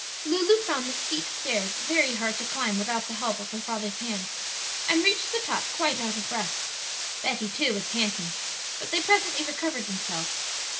Lulu found the steep stairs very hard to climb without the help of her father's hand, and reached the top quite out of breath. Betty too was panting. But they presently recovered themselves.